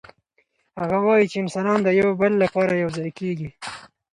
هغه وايي چي انسانان د يو بل لپاره يو ځای کيږي.